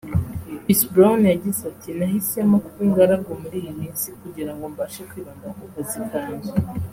Chris Brown yagize ati “Nahisemo kuba ingaragu muri iyi minsi kugirango mbashe kwibanda ku kazi kanjye